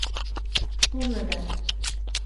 Sonra gel.